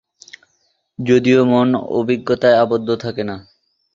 যদিও মন অভিজ্ঞতায় আবদ্ধ থাকে না।